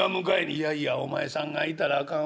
「いやいやお前さんが行ったらあかん。